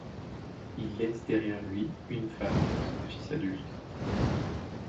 Il laisse derrière lui une femme et trois fils adultes.